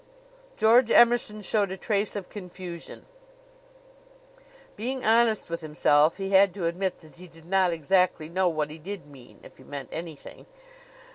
George Emerson showed a trace of confusion. Being honest with himself, he had to admit that he did not exactly know what he did mean if he meant anything.